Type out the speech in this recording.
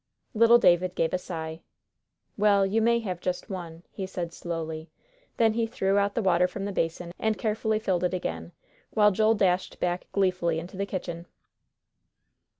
Little David gave a sigh. "Well, you may have just one," he said slowly. Then he threw out the water from the basin, and carefully filled it again, while Joel dashed back gleefully into the kitchen.